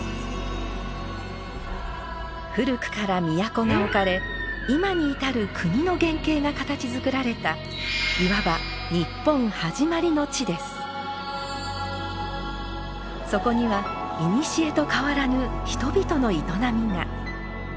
古くから都が置かれ今に至る国の原型が形づくられたいわばそこにはいにしえと変わらぬ人々の営みが。